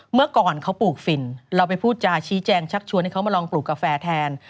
เมื่อก่อนเขาปลูกฝิ่นเราไปพูดจาชี้แจงชักชวนให้เขามาลองปลูกกาแฟแทน